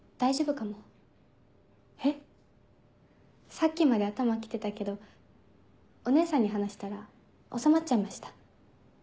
さっきまで頭来てたけどお姉さんに話したら収まっちゃいました。